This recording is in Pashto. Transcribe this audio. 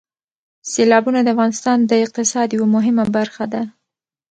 سیلابونه د افغانستان د اقتصاد یوه مهمه برخه ده.